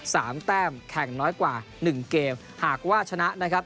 แต้มแข่งน้อยกว่าหนึ่งเกมหากว่าชนะนะครับ